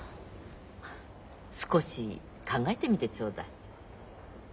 少し考えてみてちょうだい。